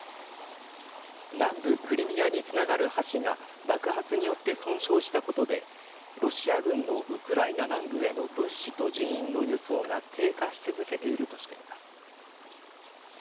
南部クリミアにつながる橋が爆発によって損傷したことでロシア軍のウクライナ南部への物資と人員の輸送が低下し続けているとしています。